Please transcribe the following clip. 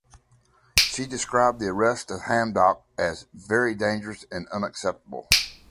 She described the arrest of Hamdok as "very dangerous and unacceptable".